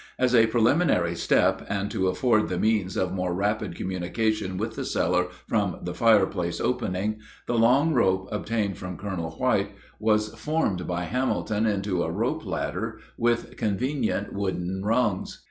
As a preliminary step, and to afford the means of more rapid communication with the cellar from the fireplace opening, the long rope obtained from Colonel White was formed by Hamilton into a rope ladder with convenient wooden rungs.